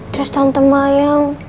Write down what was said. terus tante mayang